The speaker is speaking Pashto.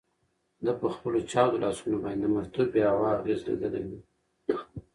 ده په خپلو چاودو لاسونو باندې د مرطوبې هوا اغیز لیدلی و.